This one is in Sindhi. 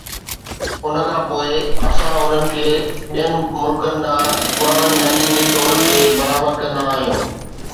ان کان پوء اسان انهن کي ٻين ملڪن ڏانهن پراڻن گاڏين جي طور تي برآمد ڪندا آهيون